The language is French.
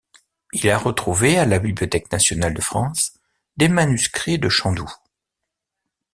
Il a retrouvé à la Bibliothèque nationale de France des manuscrits de Chandoux.